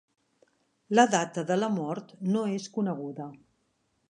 La data de la mort no és coneguda.